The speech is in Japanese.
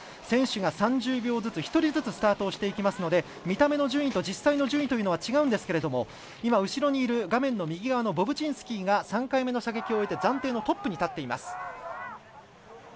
選手が３０秒ずつ、１人ずつスタートしていきますので見た目の順位と実際の順位は違うんですけれどもボブチンスキーが３回目の射撃を終えて暫定のトップに立っています。